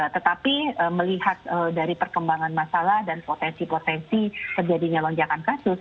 tetapi melihat dari perkembangan masalah dan potensi potensi terjadinya lonjakan kasus